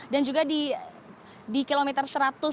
dan juga di kilometer satu ratus lima belas